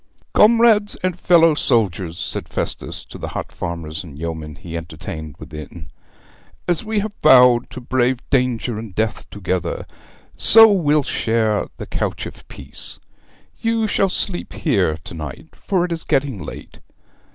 'Comrades and fellow soldiers,' said Festus to the hot farmers and yeomen he entertained within, 'as we have vowed to brave danger and death together, so we'll share the couch of peace. You shall sleep here to night, for it is getting late.